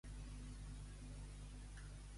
Mal any el pèl.